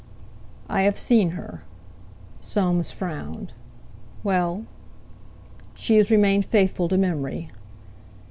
"I have seen her." Soames frowned. "Well?" "She has remained faithful to memory."